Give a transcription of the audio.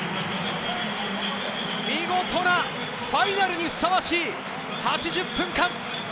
見事なファイナルにふさわしい８０分間。